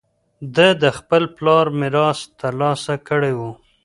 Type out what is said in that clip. ده د خپل پلار میراث ترلاسه کړی و